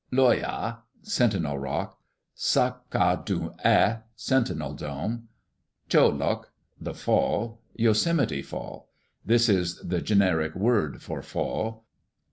"Loi' a, Sentinel Rock. "Sak' ka du eh, Sentinel Dome. "Cho' lok (the fall), Yosemite Fall. This is the generic word for 'fall.'